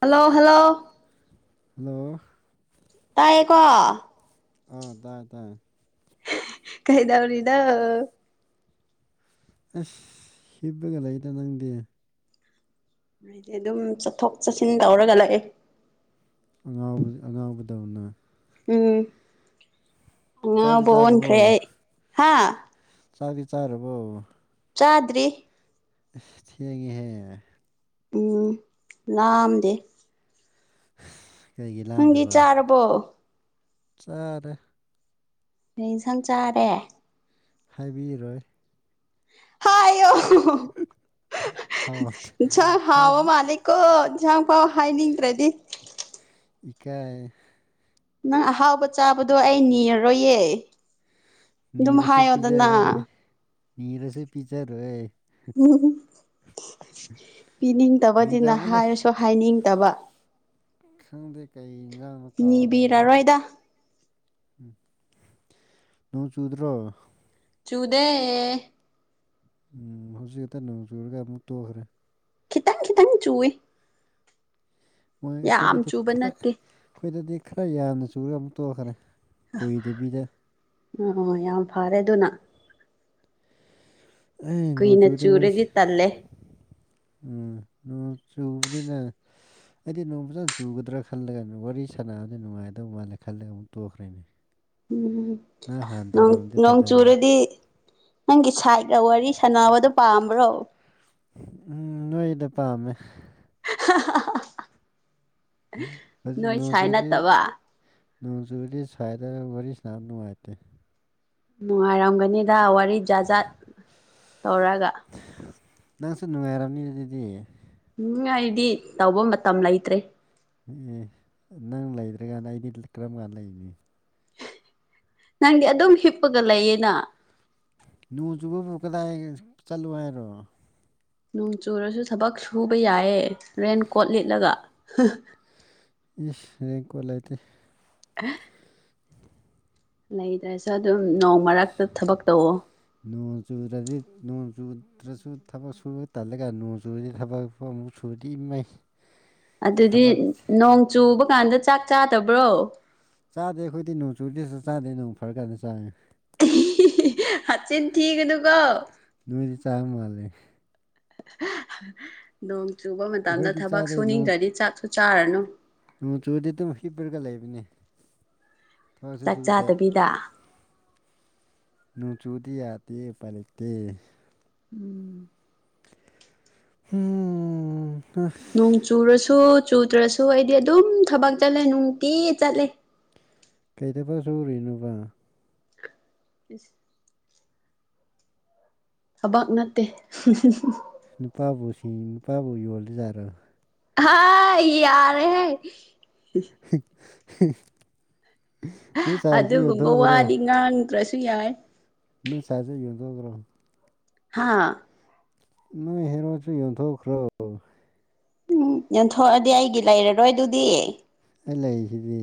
Hello hello hello ꯇꯥꯏꯌꯦꯀꯣ ꯑꯥ ꯇꯥꯏꯌꯦ ꯇꯥꯏꯌꯦ ꯀꯩꯗꯧꯔꯤꯅꯣ ꯑꯁ ꯍꯤꯄꯒ ꯂꯩꯗ ꯅꯪꯗꯤ ꯑꯩꯗꯤ ꯑꯗꯨꯝ ꯆꯠꯊꯣꯛ ꯆꯠꯁꯤꯟ ꯇꯧꯔꯒ ꯂꯩꯑꯦ ꯑꯉꯥꯎꯕꯤ ꯑꯉꯥꯎꯕꯗꯧꯅ ꯎꯝ ꯆꯥꯛꯇꯤ ꯑꯉꯥꯎꯕ ꯑꯣꯟꯈ꯭ꯔꯦ ꯑꯩ ꯍꯥ ꯆꯥꯗꯤ ꯆꯥꯔꯕꯣ ꯆꯥꯗ꯭ꯔꯤ ꯊꯦꯡꯉꯦꯍꯦ ꯎꯝ ꯂꯥꯝꯗꯦ ꯀꯩꯒꯤ ꯅꯪꯗꯤ ꯂꯥꯝꯗꯕ ꯆꯥꯔꯕꯣ ꯆꯥꯔꯦ ꯀꯩ ꯏꯟꯁꯝ ꯆꯥꯔꯦ ꯍꯥꯏꯕꯤꯔꯣꯏ ꯍꯥꯏꯌꯣ [unintelligible] ꯍꯥꯎꯇꯦ [unintelligible] ꯏꯟꯁꯥꯡ ꯍꯥꯎꯕ ꯍꯥꯏꯕꯤ ꯃꯥꯜꯂꯦꯀꯣ ꯏꯟꯁꯥꯡ ꯐꯥꯎ ꯍꯥꯏꯅꯤꯡꯗ꯭ꯔꯗꯤ ꯏꯀꯥꯏꯌꯦ ꯅꯪ ꯑꯍꯥꯎꯕ ꯆꯥꯕꯗꯣ ꯑꯩ ꯅꯤꯔꯔꯣꯏꯌꯦ ꯑꯗꯨꯝ ꯅꯤꯔꯁꯨ ꯍꯥꯏꯌꯣꯗꯅ ꯄꯤꯖꯥꯔꯣꯏ ꯅꯤꯔꯁꯨ ꯄꯤꯖꯥꯔꯣꯏꯌꯦ [unintelligible] ꯐꯥꯒꯤ ꯄꯤꯅꯤꯡꯗꯕꯗꯤꯅ ꯇꯧꯕꯅꯦ ꯍꯥꯏꯔꯁꯨ ꯍꯥꯏꯅꯤꯡꯗꯕ ꯈꯪꯗꯦ ꯀꯩ ꯏꯟꯖꯥꯡꯅꯣ ꯀꯥꯎꯔꯦ ꯑꯩꯁꯨ ꯅꯤꯕꯤꯔꯔꯣꯏꯗ ꯅꯣꯡ ꯆꯨꯗ꯭ꯔꯣ ꯆꯨꯗꯦ ꯎꯝ ꯍꯧꯖꯤꯛꯇ ꯅꯣꯡ ꯆꯨꯔꯒ ꯑꯃꯨꯛ ꯇꯣꯛꯈ꯭ꯔꯦ ꯈꯤꯇꯪ ꯈꯤꯇꯪ ꯆꯨꯋꯦ ꯃꯣꯏ ꯑꯩꯈꯣꯏꯗꯗꯤ ꯆꯨꯕ ꯈꯔ ꯅꯠꯇꯦ ꯑꯩꯈꯣꯏꯗꯗꯤ ꯈꯔ ꯌꯥꯝꯅ ꯆꯨꯔꯒ ꯑꯃꯨꯛ ꯇꯣꯛꯈ꯭ꯔꯦ ꯀꯨꯏꯗꯕꯤꯗ ꯑꯣ ꯌꯥꯝ ꯐꯔꯦ ꯑꯗꯨꯅ ꯑꯩ ꯅꯣꯡ ꯀꯨꯏꯅ ꯆꯨꯔꯗꯤ ꯋꯥꯏꯁꯦ ꯇꯜꯂꯦ ꯎꯝ ꯅꯣꯡ ꯆꯨꯕꯅꯤꯅ ꯑꯩꯗꯤ ꯅꯣꯡ ꯐꯖꯅ ꯆꯨꯒꯗ꯭ꯔꯥ ꯈꯜꯂꯦ ꯋꯥꯔꯤ ꯁꯥꯟꯅꯕꯗꯤ ꯅꯨꯡꯉꯥꯏꯗꯕ ꯃꯥꯜꯂꯦ ꯈꯜꯂꯒ ꯑꯃꯨꯛ ꯇꯣꯛꯈ꯭ꯔꯦꯅꯦ꯫ ꯎꯝ ꯅꯪ ꯍꯥꯟꯅ ꯅꯣꯡ ꯇꯧꯔꯝꯃꯗꯤ ꯐꯗꯧꯕ ꯅꯣꯡꯆꯨꯔꯗꯤ ꯅꯪꯒꯤ ꯁꯥꯏꯒ ꯋꯥꯔꯤ ꯁꯥꯟꯅꯕꯗꯣ ꯄꯥꯝꯕ꯭ꯔꯣ꯫ ꯎꯝ ꯅꯣꯏꯗ ꯄꯥꯝꯃꯦ꯫ [unintelligible] ꯍꯧꯖꯤꯛ ꯅꯣꯏ ꯁꯥꯏ ꯅꯣꯡꯆꯨꯔꯗꯤ ꯅꯠꯇꯕ ꯅꯣꯡꯆꯨꯔꯤ ꯁꯥꯏꯗ ꯋꯥꯔꯤ ꯁꯥꯟꯅꯕ ꯅꯨꯡꯉꯥꯏꯇꯦ꯫ ꯅꯨꯡꯉꯥꯏꯔꯝꯒꯅꯤꯗ ꯋꯥꯔꯤ ꯖꯥꯠ ꯖꯥꯠ ꯇꯧꯔꯒ ꯅꯪꯁꯨ ꯅꯨꯡꯉꯥꯏꯔꯝꯃꯤ ꯑꯗꯨꯗꯤ ꯎꯝ ꯑꯩꯗꯤ ꯇꯧꯕ ꯃꯇꯝ ꯂꯩꯇ꯭ꯔꯦ ꯑꯦ ꯅꯪ ꯂꯩꯗ꯭ꯔꯀꯥꯟꯗ ꯑꯩꯗꯤ ꯀꯔꯝ ꯀꯥꯟꯗ ꯂꯩꯅꯤ ꯅꯪꯗꯤ ꯑꯗꯨꯝ ꯍꯤꯞꯄꯒ ꯂꯩꯌꯦꯅ ꯅꯣꯡ ꯆꯨꯕꯕꯨ ꯀꯗꯥꯏ ꯆꯠꯂꯨ ꯍꯥꯏꯅꯣ ꯅꯣꯡ ꯆꯨꯔꯁꯨ ꯊꯕꯛ ꯁꯨꯕ ꯌꯥꯏꯌꯦ ꯔꯦꯟ ꯀꯣꯠ ꯂꯤꯠꯂꯒ ꯏꯁ ꯔꯦꯡ ꯀꯣꯠ ꯂꯩꯇꯦ꯫ ꯑꯥ ꯂꯩꯗ꯭ꯔꯁꯨ ꯑꯗꯨꯝ ꯅꯣꯡ ꯃꯔꯛꯇ ꯊꯕꯛ ꯇꯧꯑꯣ ꯅꯣꯡ ꯆꯨꯗ꯭ꯔꯗꯤ ꯅꯣꯡ ꯆꯨꯗ꯭ꯔꯁꯨ ꯊꯕꯛ ꯁꯨꯕ ꯇꯜꯂꯒ ꯅꯣꯡ ꯆꯨꯔꯗꯤ ꯊꯕꯛ ꯅꯣꯡꯕꯨ ꯆꯨꯔꯗꯤ ꯢꯃꯩ ꯑꯗꯨꯗꯤ ꯅꯣꯡ ꯆꯨꯕ ꯀꯥꯟꯗ ꯆꯥꯛ ꯆꯥꯗꯕ꯭ꯔꯣ꯫ ꯆꯥꯗꯦ ꯑꯩꯈꯣꯏꯗꯤ ꯅꯣꯡ ꯆꯨꯗꯤ ꯁꯨ ꯆꯥꯗꯦ ꯅꯣꯡ ꯐꯔꯀꯥꯟꯗ ꯆꯥꯌꯦ ꯍꯥꯆꯤꯟ ꯊꯤꯒꯅꯨꯀꯣ ꯅꯣꯏꯗꯤ ꯆꯥꯕꯃꯥꯜꯂꯦ ꯅꯣꯡ ꯆꯨꯕ ꯃꯇꯝꯗ ꯑꯩꯈꯣꯏꯗꯤ ꯊꯕꯛ ꯆꯥꯗꯦ ꯅꯣꯡ ꯁꯨꯅꯤꯡꯗ꯭ꯔꯗꯤ ꯆꯥꯛꯁꯨ ꯆꯥꯔꯅꯨ ꯅꯣꯡ ꯆꯨꯗꯤ ꯑꯗꯨꯝ ꯍꯤꯞꯄꯒ ꯂꯩꯕꯅꯦ ꯊꯕꯛꯁꯨ ꯆꯥꯛ ꯁꯨꯗꯦ ꯆꯥꯗꯕꯤꯗ ꯅꯣꯡ ꯆꯨꯔꯗꯤ ꯌꯥꯗꯦ ꯑꯨꯄꯥꯢ ꯂꯩꯇꯦ꯫ ꯎꯝ ꯎꯝ ꯍꯥ ꯅꯣꯡ ꯆꯨꯔꯁꯨ ꯆꯨꯗ꯭ꯔꯁꯨ ꯑꯩꯗꯤ ꯑꯗꯨꯝ ꯊꯕꯛ ꯆꯠꯂꯦ ꯅꯨꯡꯇꯤ ꯆꯠꯂꯦ꯫ ꯀꯩ ꯊꯕꯛ ꯁꯨꯔꯤꯅꯣꯕ ꯏꯁ ꯊꯕꯛ ꯅꯠꯇꯦ ꯍꯨꯝ ꯍꯨꯝ ꯅꯨꯄꯥꯕꯨ ꯁꯤ ꯅꯨꯄꯥꯕꯨ ꯌꯣꯜꯂꯤꯖꯥꯠꯂꯥ ꯍꯥꯥꯏ ꯌꯥꯔꯦꯍꯦ ꯅꯣꯏ ꯁꯥꯏꯁꯨ ꯑꯗꯨꯒꯨꯝꯕ ꯌꯦꯟꯊꯣꯛꯈ꯭ꯔꯣ꯫ ꯋꯥꯗꯤ ꯉꯥꯡꯗ꯭ꯔꯁꯨ ꯌꯥꯏ ꯅꯣꯢ ꯁꯥꯢꯁꯨ ꯌꯦꯡꯊꯣꯛꯈ꯭ꯔꯣ꯫ ꯍꯥꯥ ꯅꯣꯏ ꯍꯦꯔꯣꯁꯨ ꯌꯣꯟꯊꯧꯛꯈ꯭ꯔꯣ꯫ ꯎꯝ ꯌꯣꯟꯊꯣꯛꯑꯗꯤ ꯑꯩꯒꯤ ꯂꯩꯔꯔꯣꯏ ꯑꯗꯨꯗꯤ ꯑꯩ ꯂꯩꯁꯤꯗꯤ꯫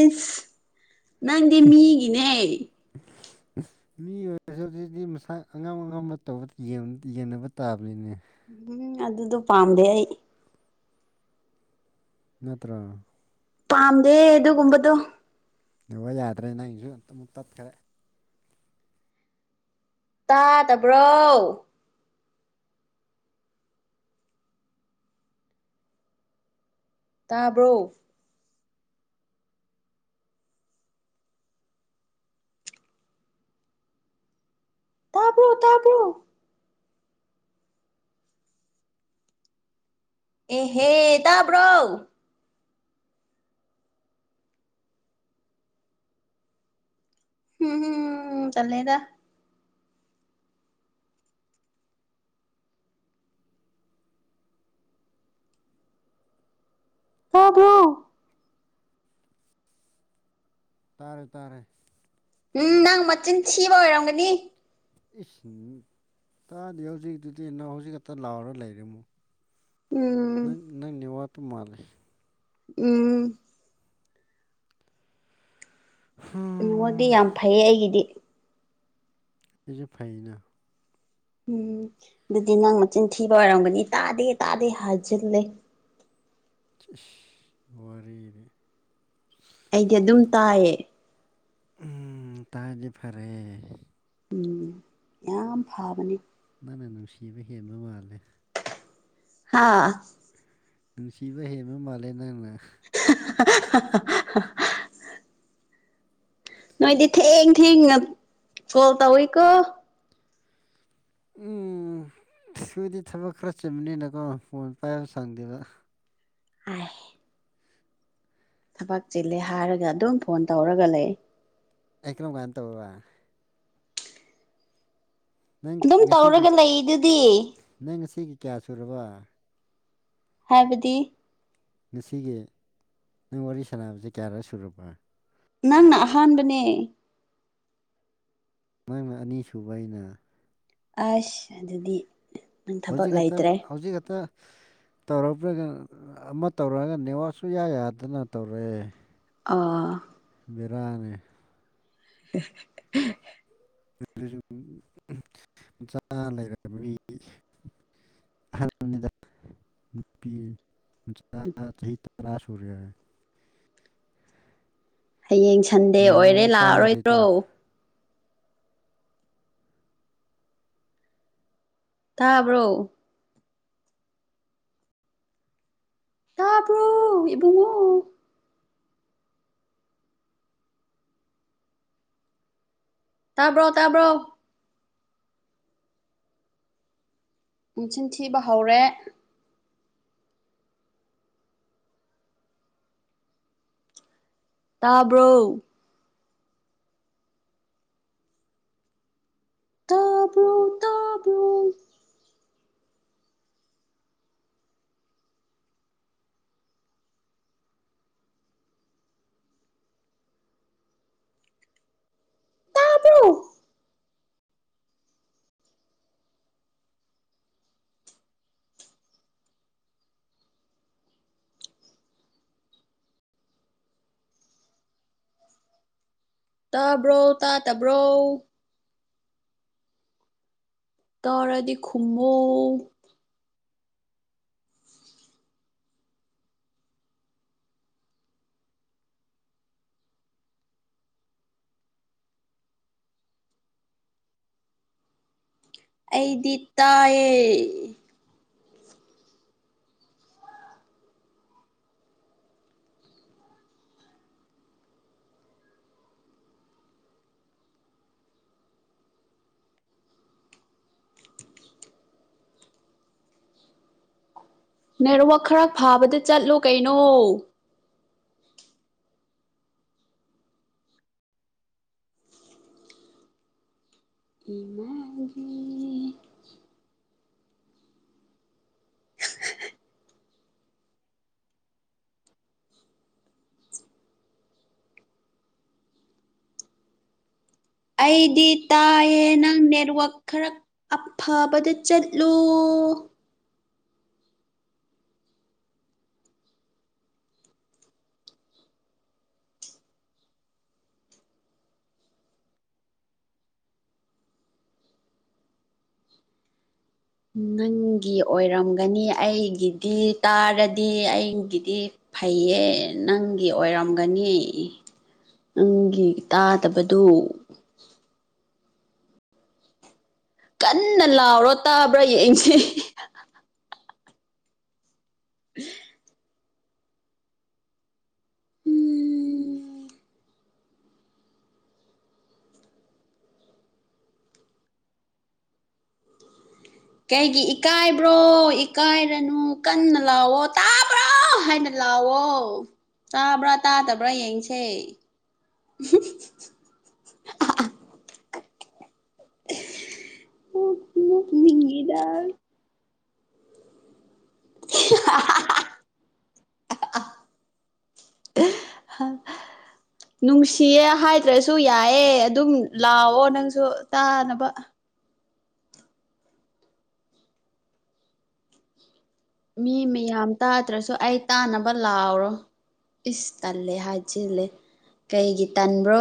ꯏꯁ ꯅꯪꯗꯤ ꯃꯤꯒꯤꯅꯦ꯫ [inaudible] ꯃꯤ ꯑꯣꯏꯔꯁꯨ ꯍꯧꯖꯤꯛꯇꯤ ꯃꯁꯥ ꯑꯉꯝ ꯑꯉꯝꯕ ꯇꯧꯕ ꯌꯦꯡꯅꯕ ꯇꯥꯕꯅꯤꯅꯦ꯫ ꯎꯝ ꯑꯗꯨꯗꯣ ꯄꯥꯝꯗꯦ ꯑꯩ꯫ ꯅꯠꯇ꯭ꯔꯣ ꯄꯥꯝꯗꯦ ꯑꯗꯨꯒꯨꯝꯕꯗꯣ ꯅꯦꯠꯋꯥꯛ ꯌꯥꯗ꯭ꯔꯦ ꯅꯪꯒꯤꯁꯨ ꯑꯃꯨꯛ ꯇꯠꯈ꯭ꯔꯦ꯫ ꯇꯥꯗꯕ꯭ꯔꯣ ꯇꯥꯕ꯭ꯔꯣ ꯇꯥꯕ꯭ꯔꯣ ꯇꯥꯕ꯭ꯔꯣ ꯑꯦꯍꯦ ꯇꯥꯕ꯭ꯔꯣ ꯎꯝ ꯍꯨꯝ ꯇꯦꯜꯂꯦꯗ ꯇꯥꯕ꯭ꯔꯣ ꯇꯥꯔꯦ ꯇꯥꯔꯦ ꯎꯝ ꯅꯪ ꯃꯆꯤꯟ ꯊꯤꯕ ꯑꯣꯏꯔꯝꯒꯅꯤ꯫ ꯏꯁ ꯇꯥꯗꯤ ꯍꯧꯖꯤꯛꯇꯨꯗꯤ ꯅ ꯍꯧꯖꯤꯛ ꯈꯛꯇ ꯂꯥꯎꯔ ꯂꯩꯔꯤꯃꯨ꯫ ꯎꯝ꯫ ꯅꯪ ꯅꯪ ꯅꯦꯋꯥꯛꯇꯨ ꯃꯥꯜꯂꯦ꯫ ꯎꯝ꯫ [unintelligible] ꯏꯉꯣꯗꯤ ꯌꯥꯝ ꯐꯩꯌꯦ ꯑꯩꯒꯤꯗꯤ꯫ ꯑꯩꯁꯨ ꯐꯩꯩꯌꯦꯅ꯫ ꯎꯝ ꯑꯗꯨꯗꯤ ꯅꯪ ꯃꯆꯤꯟ ꯊꯤꯕ ꯑꯣꯏꯔꯝꯒꯅꯤ ꯇꯥꯗꯦ ꯇꯥꯗꯦ ꯍꯥꯏꯖꯤꯜꯂꯦ꯫ ꯏꯁ ꯋꯥꯔꯤꯗꯤ꯫ ꯑꯩꯗꯤ ꯑꯗꯨꯝ ꯇꯥꯏꯌꯦ꯫ ꯎꯝ ꯇꯥꯔꯗꯤ ꯐꯔꯦ꯫ ꯎꯝ ꯌꯥꯝ ꯐꯥꯕꯅꯤ꯫ ꯅꯪꯅ ꯅꯨꯡꯁꯤꯕ ꯍꯦꯟꯕ ꯃꯥꯂꯦ꯫ ꯍꯥꯥ꯫ ꯅꯨꯡꯁꯤꯕ ꯍꯦꯟꯕ ꯃꯥꯜꯂꯦ ꯅꯪꯅ꯫ [unintelligible] ꯅꯣꯏꯗꯤ ꯊꯦꯡ ꯊꯦꯡꯅ ꯀꯣꯜ ꯇꯧꯋꯦꯀꯣ꯫ ꯎꯝ ꯑꯁ ꯑꯈꯣꯏꯗꯤ ꯊꯕꯛ ꯈꯔ ꯆꯤꯟꯕꯅꯤꯅꯀꯣ ꯐꯣꯟ ꯄꯥꯏꯕ ꯁꯪꯗꯦꯕ꯫ ꯑꯥꯏ꯫ ꯊꯕꯛ ꯆꯤꯜꯂꯦ ꯍꯥꯏꯔꯒ ꯑꯗꯨꯝ ꯐꯣꯟ ꯇꯧꯔꯒ ꯂꯩ꯫ ꯑꯩ ꯀꯝꯀꯥꯟ ꯇꯧꯔꯕ ꯅꯪ ꯑꯗꯨꯝ ꯉꯁꯤꯒꯤ ꯇꯧꯔꯒ ꯂꯩꯗꯨꯗꯤ꯫ ꯅꯪ ꯉꯁꯤꯒꯤ ꯀꯌꯥ ꯁꯨꯔꯕ꯫ ꯍꯥꯏꯕꯗꯤ꯫ ꯉꯁꯤꯒꯤ ꯅꯪ ꯋꯥꯔꯤ ꯁꯥꯟꯅꯕꯁꯦ ꯀꯌꯥꯔꯛ ꯁꯨꯔꯕ꯫ ꯅꯪꯅ ꯑꯍꯥꯟꯕꯅꯦ꯫ ꯅꯪꯅ ꯑꯅꯤꯁꯨꯕ ꯑꯩꯅ꯫ ꯑꯁ ꯑꯗꯨꯗꯤ꯫ ꯅꯪ ꯊꯕꯛ ꯍꯧꯖꯤꯛ ꯈꯛꯇ ꯂꯩꯇ꯭ꯔꯦ ꯍꯧꯖꯤꯛ ꯍꯦꯛꯇ꯫ ꯇꯧꯔꯛꯄꯒ ꯑꯃ ꯇꯧꯔꯛꯑꯒ ꯅꯦꯋꯥꯛ ꯁꯨꯌꯥ ꯌꯥꯗꯅ ꯇꯧꯔꯛꯑꯦ꯫ ꯑꯥ꯫ ꯕꯦꯔꯅꯤ꯫ [inaudible] [inaudible] ꯑꯍꯜꯅꯤꯗ ꯅꯨꯄꯤ ꯃꯆꯥ ꯆꯍꯤ ꯇꯔꯥ ꯁꯨꯔꯦ꯫ ꯍꯌꯦꯡ ꯁꯟꯗꯦ ꯌꯦꯡꯉꯣ ꯑꯣꯏꯔꯦ ꯑꯃꯨꯛ ꯇꯥꯗ꯭ꯔꯦ ꯇꯨ ꯂꯥꯛꯑꯔꯣꯏꯗ꯭ꯔꯣ꯫ ꯇꯥꯕ꯭ꯔꯣ꯫ ꯇꯕꯔꯣ ꯏꯕꯨꯡꯉꯣ꯫ ꯇꯥꯕ꯭ꯔꯣ ꯇꯥꯕ꯭ꯔꯣ꯫ ꯃꯆꯤꯟ ꯊꯤꯕ ꯍꯧꯔꯦ꯫ ꯇꯥꯕ꯭ꯔꯣ꯫ ꯇꯥꯕ꯭ꯔꯣ ꯇꯥꯕ꯭ꯔꯣ꯫ ꯇꯥꯕ꯭ꯔꯣ꯫ ꯇꯥꯕ꯭ꯔꯣ ꯇꯥꯗꯕ꯭ꯔꯣ꯫ ꯇꯥꯔꯗꯤ ꯈꯨꯝꯃꯣ꯫ ꯑꯩꯗꯤ ꯇꯥꯏꯌꯦ꯫ ꯅꯦꯠꯋꯥꯛ ꯈꯔ ꯐꯥꯕꯗ ꯆꯠꯂꯣ ꯀꯩꯅꯣ꯫ ꯏꯃꯥꯒꯤ ꯑꯩꯗꯤ ꯇꯥꯏꯌꯦ ꯅꯪ ꯅꯦꯠꯋꯛ ꯈꯥꯔ ꯑꯐꯥꯕꯗ ꯆꯠꯂꯨ꯫ ꯅꯪꯒꯤ ꯑꯣꯏꯔꯝꯒꯅꯤ ꯑꯩꯒꯤꯗꯤ ꯇꯥꯔꯥꯗꯤ ꯑꯩꯒꯤꯗꯤ꯫ ꯐꯩꯌꯦ ꯅꯪꯒꯤ ꯑꯣꯏꯔꯝꯒꯅꯤ꯫ ꯅꯪꯒꯤ ꯇꯥꯗꯕꯗꯨ꯫ ꯀꯟꯅ ꯂꯥꯎꯔꯣ ꯇꯥꯕ꯭ꯔꯥ ꯌꯦꯡꯁꯤ꯫ [inaudible] [inaudible] ꯎꯝ ꯀꯩꯒꯤ ꯏꯀꯥꯏꯕ꯭ꯔꯣ ꯏꯀꯥꯏꯔꯥꯅꯨ ꯀꯟꯅ ꯂꯥꯎꯋꯣ ꯇꯥꯕ꯭ꯔꯣ ꯍꯥꯏꯅ꯫ ꯂꯎꯋꯣ ꯇꯥꯕ꯭ꯔꯥ ꯇꯥꯗꯕ꯭ꯔꯥ ꯌꯦꯡꯁꯦ꯫ [unintelligible] [unintelligible] [inaudible] ꯅꯨꯡꯁꯤꯌꯦ ꯍꯥꯏꯗ꯭ꯔꯥꯁꯨ ꯌꯥꯏꯑꯦ ꯑꯗꯨꯝ ꯂꯥꯛꯑꯣ ꯅꯪꯁꯨ ꯇꯥꯅꯕ꯫ ꯃꯤ ꯃꯤꯌꯥꯝ ꯇꯥꯗ꯭ꯔꯥꯁꯨ ꯑꯩ ꯇꯥꯅꯕ ꯂꯥꯎꯔꯣ꯫ ꯏꯁ ꯇꯜꯂꯦ ꯍꯥꯏꯖꯤꯜꯂꯦ ꯀꯩꯒꯤ ꯇꯟꯕ꯭ꯔꯣ꯫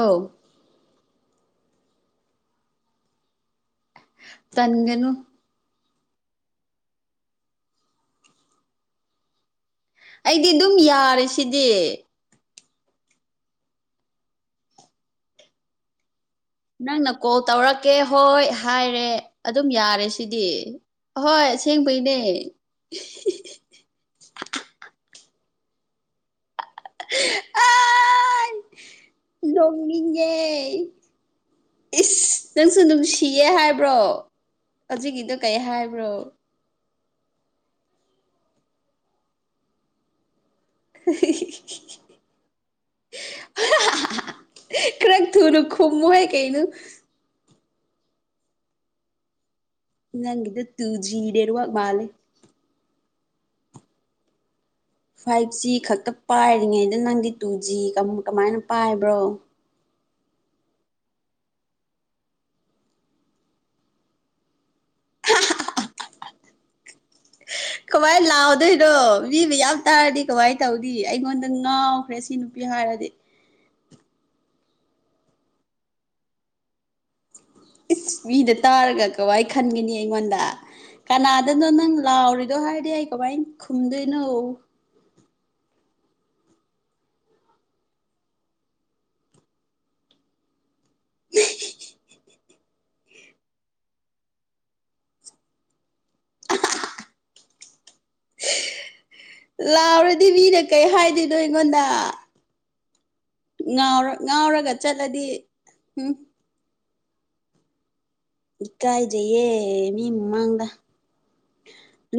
ꯇꯟꯒꯅꯨ꯫ ꯑꯩꯗꯤ ꯑꯗꯨꯝ ꯌꯥꯔꯦꯁꯤꯗꯤ꯫ ꯅꯪꯅ ꯀꯣꯜ ꯇꯧꯔꯛꯀꯦ ꯍꯣꯏ ꯍꯥꯏꯔꯦ ꯑꯗꯨꯝ ꯌꯥꯔꯦ ꯁꯤꯗꯤ꯫ ꯍꯣꯏ ꯑꯁꯦꯡꯕꯩꯅꯦ꯫ ꯑꯥ ꯅꯣꯛꯅꯤꯡꯉꯦ꯫ ꯏꯁ ꯅꯪꯁꯨ ꯅꯨꯡꯁꯤꯌꯦ ꯍꯥꯏꯕ꯭ꯔꯣ ꯍꯧꯒꯤꯗꯣ ꯀꯩ ꯍꯥꯏꯕ꯭ꯔꯣ꯫ [unintelligible] ꯈ꯭ꯔꯛ ꯊꯨꯅ ꯈꯨꯝꯃꯨꯍꯩ ꯀꯩꯅꯣ꯫ ꯅꯪꯒꯤꯗꯨ ꯇꯨꯖꯤ ꯅꯦꯠꯋꯥꯛ ꯃꯥꯜꯂꯦ꯫ ꯐꯥꯏꯚ ꯖꯤ ꯈꯛꯇ ꯄꯥꯏꯔꯤꯉꯩꯗ ꯅꯪꯗꯤ ꯇꯨ ꯖꯤ ꯀꯥ- ꯀꯃꯥꯏꯅ ꯄꯥꯏꯕ꯭ꯔꯣ꯫ ꯀꯃꯥꯏ ꯂꯥꯎꯗꯣꯏꯅꯣ ꯃꯤ ꯃꯌꯥꯝ ꯇꯥꯔꯥꯗꯤ ꯀꯃꯥꯏꯅ ꯇꯧꯅꯤ ꯑꯩꯉꯣꯟꯗ ꯉꯥꯎꯈ꯭ꯔꯦ ꯁꯤ ꯅꯨꯄꯤ ꯍꯥꯏꯔꯗꯤ꯫ ꯏꯁ ꯃꯤꯅ ꯇꯥꯔꯒ ꯀꯃꯥꯏ ꯈꯟꯒꯅꯤ ꯑꯩꯉꯣꯟꯗ꯫ ꯀꯅꯥꯗꯅꯣ ꯅꯪ ꯂꯥꯎꯔꯤꯗꯣ ꯍꯥꯏꯗꯤ ꯑꯩ ꯀꯃꯥꯏ ꯈꯨꯝꯗꯣꯏꯅꯣ꯫ [unintelligible] ꯂꯥꯎꯔꯗꯤ ꯃꯤꯅ ꯀꯩ ꯍꯥꯏꯗꯣꯏꯅꯣ ꯑꯩꯉꯣꯟꯗ꯫ ꯉꯥꯎꯔꯣ ꯉꯥꯎꯔꯒ ꯆꯠꯂꯗꯤ ꯍꯨꯝ꯫ ꯏꯀꯥꯏꯖꯩꯌꯦ ꯃꯤ ꯃꯃꯥꯡꯗ꯫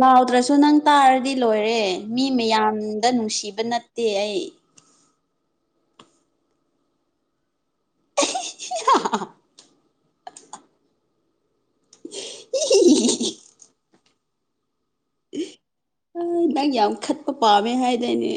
ꯂꯥꯎꯗ꯭ꯔꯁꯨ ꯅꯪ ꯇꯥꯔꯗꯤ ꯂꯣꯏꯔꯦ ꯃꯤ ꯃꯌꯥꯝꯗ ꯅꯨꯡꯁꯤꯕ ꯅꯠꯇꯦ ꯑꯩ꯫ [unintelligible] [unintelligible] ꯅꯪ ꯌꯥꯝ ꯈꯠꯄ ꯄꯥꯝꯃꯦ ꯍꯥꯏꯗꯥꯏꯅꯦ꯫